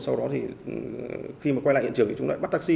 sau đó thì khi mà quay lại hiện trường thì chúng lại bắt taxi